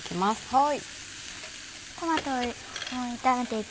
はい。